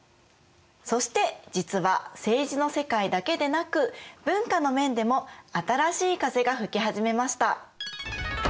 そして実は政治の世界だけでなく文化の面でも新しい風が吹き始めました。